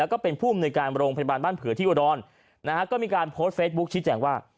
และเป็นผู้บนในการโรงพันบาลบ้าเป็นบ้านเผื่อที่อดรนอก็มีการโพสต์เฟสบุคชีแจงว่า